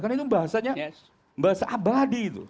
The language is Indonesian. karena itu bahasanya bahasa abadi itu